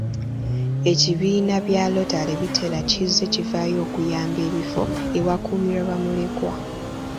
Ekibiina bya lotale bitera kizze kivaayo okuyamba ebifo ewakuumirwa bamulekwa.